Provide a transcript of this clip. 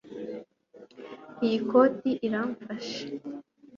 Iyi koti iramfashe